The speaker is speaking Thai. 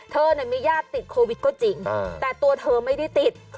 เธอมีญาติติดโควิดก็จริงแต่ตัวเธอไม่ได้ติด